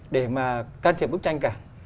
để mà can thiệp bức tranh cả